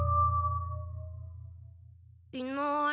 いない。